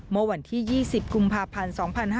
เมื่อวันที่๒๐กุมภาพันธ์๒๕๕๙